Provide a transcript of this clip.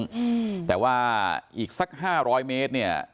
ขึ้นไปอีกห้าร้อยเมตร